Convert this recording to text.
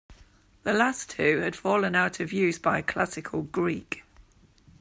The last two had fallen out of use by Classical Greek.